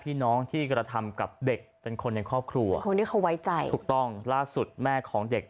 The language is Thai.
พี่น้องที่กระทำกับเด็กเป็นคนในครอบครัวคนที่เขาไว้ใจถูกต้องล่าสุดแม่ของเด็ก